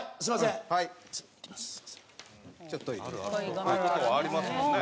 こういう事ありますもんね。